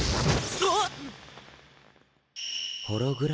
あっ。